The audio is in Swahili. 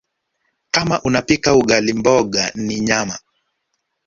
Kama unapika ugali mboga ni nyama